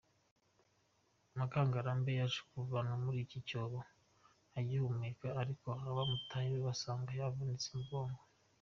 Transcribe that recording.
Mukangarambe yaje kuvanwa muri iki cyobo agihumeka, ariko abamutabaye basanga yavunitse umugongo.